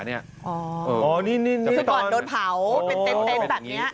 เนี่ยอ๋อนี่นี่นี่สิปหาร์ดโดนเผาเป็นเต้นแบบนี้